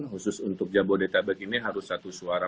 khusus untuk jabodetabek ini harus satu suara